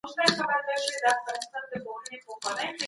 روښانه فکر پرمختګ نه ځنډوي.